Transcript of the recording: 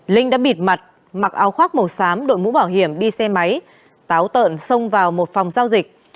linh đã bịt mặt mặc áo khoác màu xám đội mũ bảo hiểm đi xe máy táo tợn xông vào một phòng giao dịch